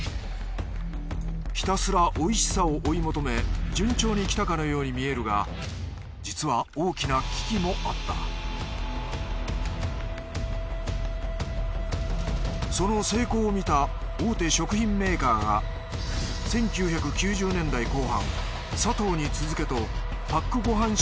ひたすらおいしさを追い求め順調に来たかのように見えるが実は大きな危機もあったその成功を見た大手食品メーカーが１９９０年代後半サトウに続けとパックご飯